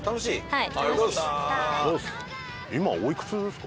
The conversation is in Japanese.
はい。